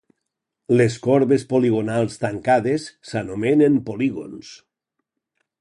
Les corbes poligonals tancades s'anomenen polígons.